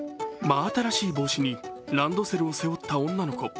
真新しい帽子にランドセルを背負った女の子。